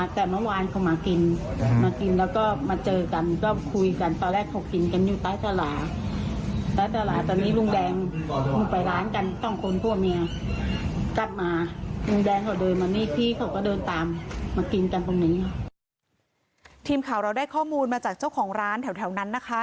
ทีมข่าวเราได้ข้อมูลมาจากเจ้าของร้านแถวนั้นนะคะ